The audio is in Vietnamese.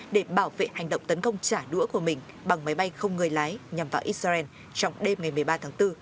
để bảo vệ hành động tấn công trả đũa của mình bằng máy bay không người lái nhằm vào israel trong đêm ngày một mươi ba tháng bốn